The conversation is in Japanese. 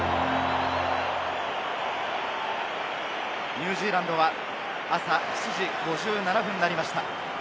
ニュージーランドは朝７時５７分になりました。